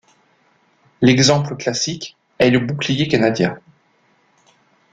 L'exemple classique est le Bouclier canadien.